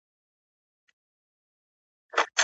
د کورني نظم او خوشحالۍ لپاره ادب ضروري دی.